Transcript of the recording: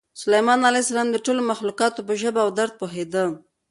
سلیمان علیه السلام د ټولو مخلوقاتو په ژبه او درد پوهېده.